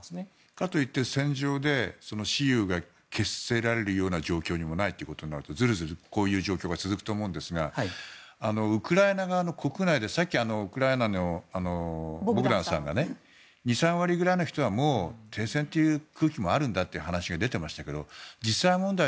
かといって戦場で雌雄が決せられるような状況にもないということになるとずるずるこういう状況が続くと思うんですがウクライナ側の国内が２３割ぐらいの人が停戦という空気があるんだという話が出てましたけど実際問題